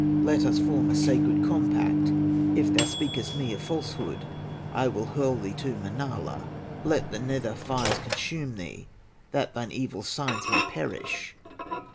Let us form a sacred compact: If thou speakest me a falsehood, I will hurl thee to Manala, Let the nether fires consume thee, That thine evil signs may perish."